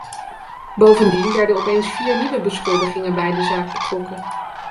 Bovendien werden er opeens vier nieuwe beschuldigingen bij de zaak betrokken.